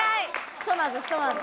ひとまずひとまず。